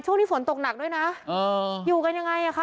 ช่วงนี้ฝนตกหนักด้วยนะอยู่กันยังไงอ่ะคะ